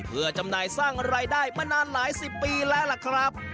เพื่อจำหน่ายสร้างรายได้มานานหลายสิบปีแล้วล่ะครับ